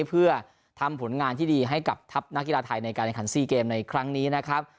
เพื่อทำผลงานที่ดีให้กับทัพนักกีฬาไทยในการแข่งขัน๔เกมในครั้งนี้นะครับ